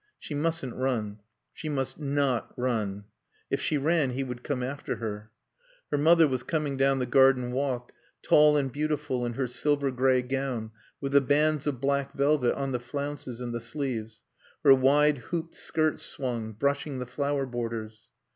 She mustn't run. She must not run. If she ran he would come after her. Her mother was coming down the garden walk, tall and beautiful in her silver gray gown with the bands of black velvet on the flounces and the sleeves; her wide, hooped skirts swung, brushing the flower borders.